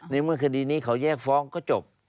ในเมื่อคดีนี้เขาแยกฟ้องก็จบ